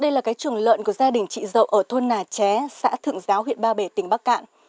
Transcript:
đây là cái chuồng lợn của gia đình chị dậu ở thôn nà ché xã thượng giáo huyện ba bể tỉnh bắc cạn